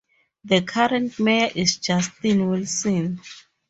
The current mayor is Justin Wilson.